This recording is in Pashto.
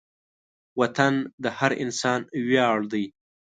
وطن د هر انسان ویاړ دی.